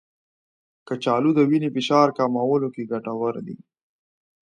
کچالو د وینې فشار کمولو کې ګټور دی.